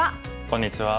こんにちは。